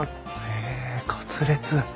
へえカツレツ。